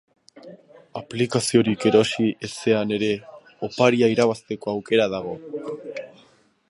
Aplikaziorik erosi ezean ere oparia irabazteko aukera dago.